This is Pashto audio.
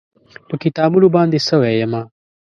په کتابونو باندې سوی یمه